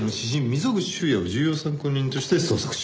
溝口修也を重要参考人として捜索中。